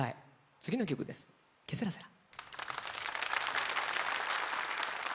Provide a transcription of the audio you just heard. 次の曲です「ケセラセラ」